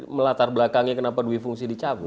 melatar belakangnya kenapa duit fungsi dicabut